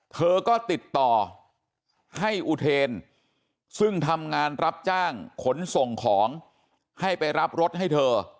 เธอก็ติดต่อให้อุเทนซึ่งทำงานรับจ้างขนส่งของให้ไปรับรถให้เธอ